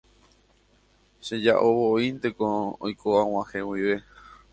cheja'ovovoínteko oiko ag̃uahẽ guive.